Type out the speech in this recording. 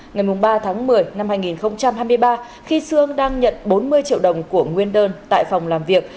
ngày ba tháng một mươi năm hai nghìn hai mươi ba khi sương đang nhận bốn mươi triệu đồng của nguyên đơn tại phòng làm việc